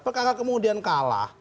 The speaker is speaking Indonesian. pekan pekan kemudian kalah